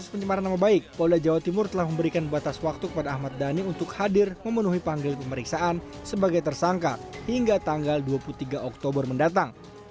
pencemaran nama baik polda jawa timur telah memberikan batas waktu kepada ahmad dhani untuk hadir memenuhi panggil pemeriksaan sebagai tersangka hingga tanggal dua puluh tiga oktober mendatang